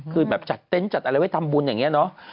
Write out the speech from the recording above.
คือแบบจัดเต็นต์จัดอะไรไว้ทำบุญอย่างนี้เนาะ